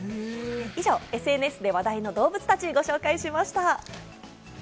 以上、ＳＮＳで話題の動物たちをご紹介しました。